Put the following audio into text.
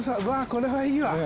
これはいいわ！